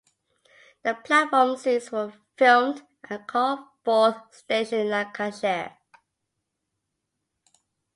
The platform scenes were filmed at Carnforth station in Lancashire.